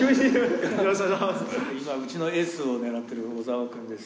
今うちのエースを狙ってる小澤くんです。